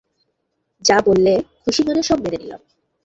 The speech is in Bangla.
যা বললে, খুশি মনে সব মেনে নিলাম।